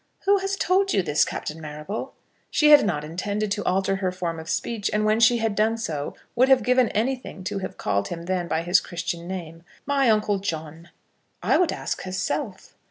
"Who has told you this, Captain Marrable?" She had not intended to alter her form of speech, and when she had done so would have given anything to have called him then by his Christian name. "My Uncle John." "I would ask herself."